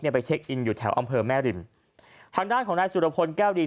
ไปเช็คอินอยู่แถวอำเภอแม่ริมทางด้านของนายสุรพลแก้วดี